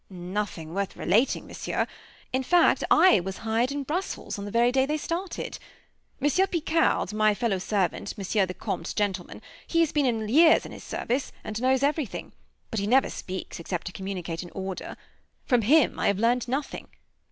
"Nothing worth relating, Monsieur; in fact, I was hired in Brussels, on the very day they started. Monsieur Picard, my fellow servant, Monsieur the Comte's gentleman, he has been years in his service, and knows everything; but he never speaks except to communicate an order. From him I have learned nothing.